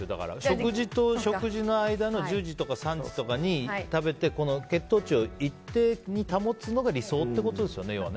食事と食事の間の１０時とか３時とかに食べて血糖値を一定に保つのが理想ってことですよね、要は。